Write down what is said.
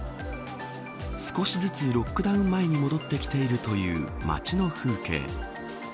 少しずつロックダウン前に戻ってきているという街の風景。